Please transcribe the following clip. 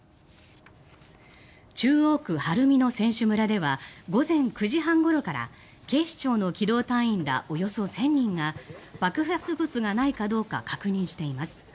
中央区晴海の選手村では午前９時半ごろから警視庁の機動隊員らおよそ１０００人が爆発物がないかどうか確認しています。